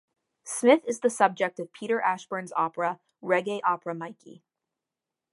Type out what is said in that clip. Smith is the subject of Peter Ashbourne's opera "Reggae Opera Mikey".